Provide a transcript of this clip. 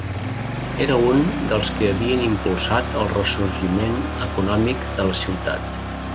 Era un dels que havien impulsat el ressorgiment econòmic de la ciutat.